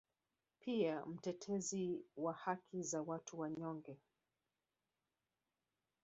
Pia mtetezi wa haki za watu wanyonge